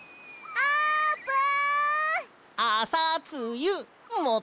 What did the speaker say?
あーぷん！